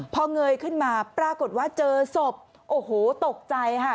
พอเงยขึ้นมาปรากฏว่าเจอศพโอ้โหตกใจค่ะ